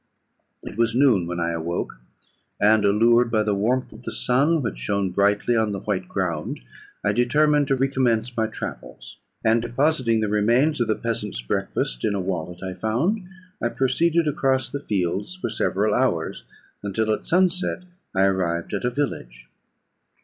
"It was noon when I awoke; and, allured by the warmth of the sun, which shone brightly on the white ground, I determined to recommence my travels; and, depositing the remains of the peasant's breakfast in a wallet I found, I proceeded across the fields for several hours, until at sunset I arrived at a village.